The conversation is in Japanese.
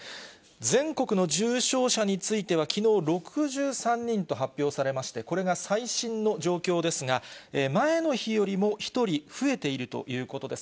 全国の重症者については、きのう、６３人と発表されまして、これが最新の状況ですが、前の日よりも１人増えているということです。